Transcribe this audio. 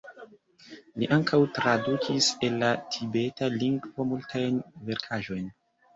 Li ankaŭ tradukis el la tibeta lingvo multajn verkaĵojn.